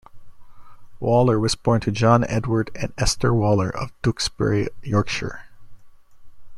Waller was born to John Edward and Esther Waller, of Dewsbury, Yorkshire.